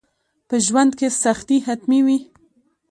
په ژوند کي سختي حتمي وي.